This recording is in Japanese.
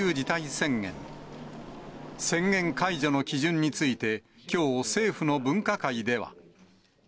宣言解除の基準について、きょう、政府の分科会では。